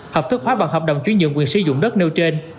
hợp thức hóa bằng hợp đồng chứng nhận quyền sử dụng đất nêu trên